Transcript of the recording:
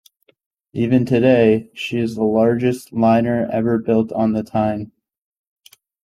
Even today, she is the largest liner ever built on the Tyne.